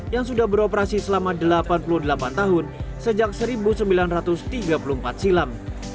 yang sudah beroperasi selama delapan puluh delapan tahun sejak seribu sembilan ratus tiga puluh empat silam